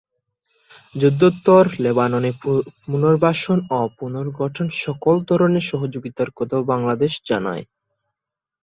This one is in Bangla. যুদ্ধোত্তর লেবাননে পুনর্বাসন ও পুনর্গঠনে সকল ধরনের সহযোগিতার কথাও বাংলাদেশ জানায়।